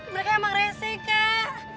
mereka emang rese kak